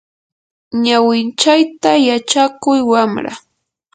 ñawinchayta yachakuy wamra.